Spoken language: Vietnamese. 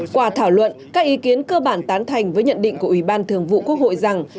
qua thảo luận các ý kiến cơ bản tán thành với nhận định của ủy ban thường vụ quốc hội rằng